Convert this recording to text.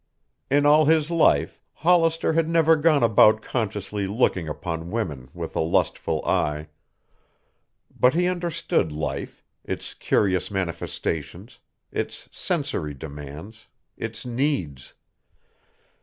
In all his life Hollister had never gone about consciously looking upon women with a lustful eye. But he understood life, its curious manifestations, its sensory demands, its needs.